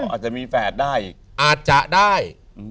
อาจจะมีแฟสได้อาจจะได้